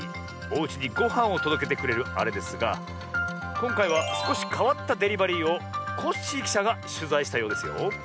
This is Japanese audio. おうちにごはんをとどけてくれるあれですがこんかいはすこしかわったデリバリーをコッシーきしゃがしゅざいしたようですよ。